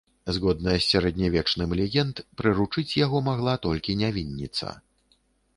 Згодна з сярэднявечным легенд, прыручыць яго магла толькі нявінніца.